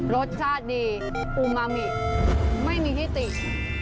รสชาติดีอูมามิไม่มีที่ติด